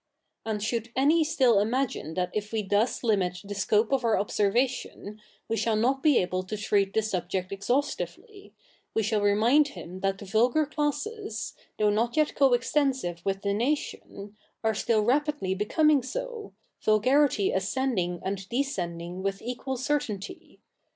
And should afiy still imagine that if we thus littiit the scope of our observation, we shall not be able to treat the subject exhaustively, we shall remind him that the vulgar classes, though not yet co extensive with the nation, are still rapidly becoming so, vulgarity ascending and descendijig with equal certainty ; si?